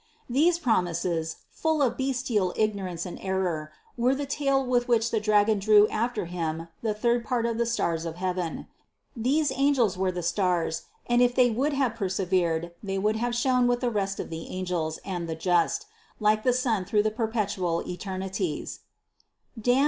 These promises, full of bes tial ignorance and error, were the tail with which the dragon drew after him the third part of the stars of heaven. These angels were the stars and if they would have persevered, they would have shone with the rest of the angels and the just, like the sun through the per petual eternities (Dan.